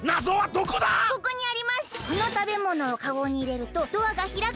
「このたべものをカゴにいれるとドアがひらく」